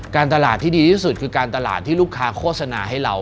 การตลาดที่ดีที่สุดคือการตลาดที่ลูกค้าโฆษณาให้เรา